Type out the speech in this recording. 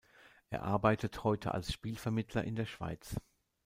Er arbeitet heute als Spielervermittler in der Schweiz.